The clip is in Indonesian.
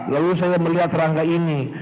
lalu saya melihat rangka ini